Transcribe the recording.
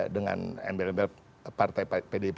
dengan embel embel partai